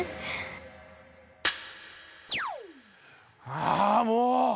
ああもう！